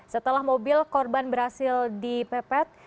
setelah mobil korban berhasil dipepet